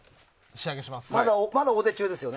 まだ王手中ですよね。